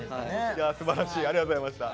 いやすばらしいありがとうございました。